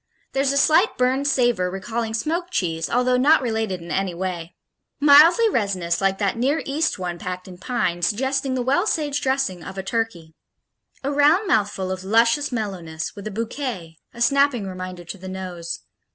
There's a slight burned savor recalling smoked cheese, although not related in any way. Mildly resinous like that Near East one packed in pine, suggesting the well saged dressing of a turkey. A round mouthful of luscious mellowness, with a bouquet a snapping reminder to the nose.